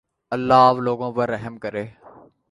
اللہ آپ لوگوں پر رحم کرے